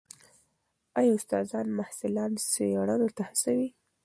ایا استادان محصلان څېړنو ته هڅوي؟